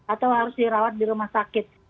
atau harus dirawat di rumah sakit